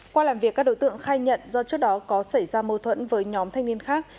qua làm việc các đối tượng khai nhận do trước đó có xảy ra mâu thuẫn với nhóm thanh niên khác